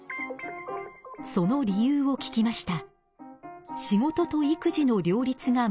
その理由を聞きました。